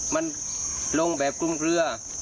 มันลงแบบคลุมเคลือ